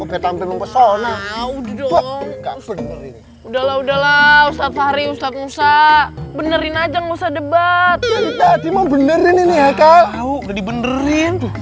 udah udahlah ustadz hari ustadz musa benerin aja nggak usah debat benerin tapi